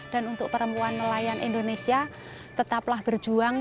dan untuk perempuan nelayan indonesia tetaplah berjuang